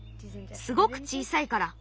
すごく小さいから。